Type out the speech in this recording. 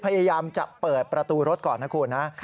พยายามจะเปิดประตูรถก่อนนะคุณนะ